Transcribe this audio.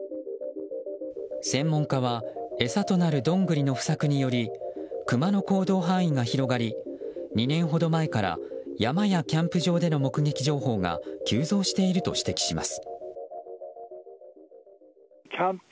専門家は餌となるドングリの不作によりクマの行動範囲が広がり２年ほど前から山やキャンプ場での目撃情報が急増していると指摘します。